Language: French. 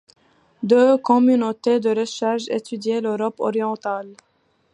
Deux communautés de recherche étudient l'Europe orientale.